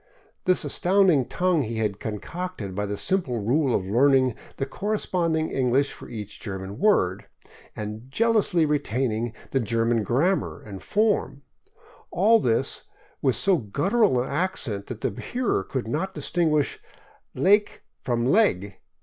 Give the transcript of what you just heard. '* This astound ing tongue he had concocted by the simple rule of learning the cor responding English for each German word, and jealously retaining the German grammar and form; all this with so guttural an accent that the hearer could not distinguish " lake " from " leg."